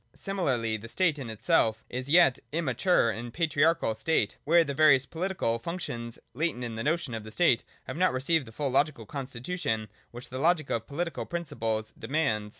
Similarly, the state in itself is the yet im mature and patriarchal state, where the various political functions, latent in the notion of the state, have not received the full logical constitution which the logic of pohtical princi ples demands.